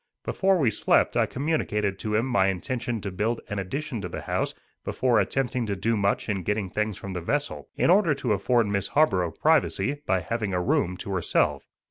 Before we slept I communicated to him my intention to build an addition to the house before attempting to do much in getting things from the vessel, in order to afford Miss Harborough privacy, by having a room to herself.